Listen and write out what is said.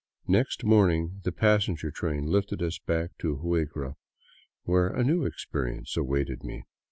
Next morning the passenger train lifted us back to Huigra, where a new experience awaited me.